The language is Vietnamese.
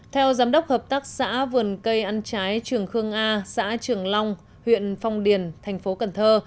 theo giám đốc hợp tác xã vườn cây ăn trái trường khương a xã trường long huyện phong điền thành phố cần thơ